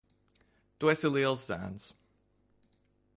Tu esi liels zēns.